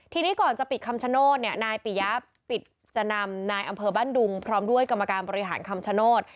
ทีนี้ก่อนจะปิดคำชโนธเนี่ยนายปิยะปิดจะนำนายอำเภอบ้านดุงพร้อมด้วยกรรมการบริหารคำชโนธ